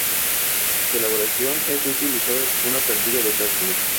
Para su elaboración es útil usar una plantilla de cálculo.